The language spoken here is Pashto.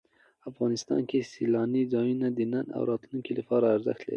افغانستان کې سیلانی ځایونه د نن او راتلونکي لپاره ارزښت لري.